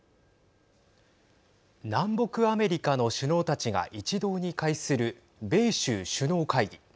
南北アメリカの首脳たちが一堂に会する米州首脳会議。